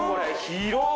広っ。